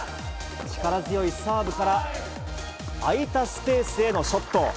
力強いサーブから、空いたスペースへのショット。